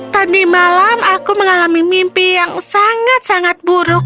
tadi malam aku mengalami mimpi yang sangat sangat buruk